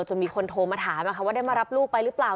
จนมีคนโทรมาถามว่าได้มารับลูกไปหรือเปล่า